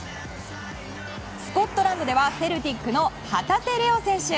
スコットランドではセルティックの旗手怜央選手。